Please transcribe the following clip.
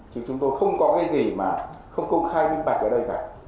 chứ chúng tôi không có cái gì mà không công khai minh bạch ở đây cả